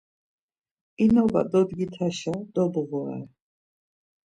İnuva dodgitaşa dobğurare.